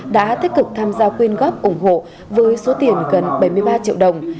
đã tích cực tham gia quyên góp ủng hộ với số tiền gần bảy mươi ba triệu đồng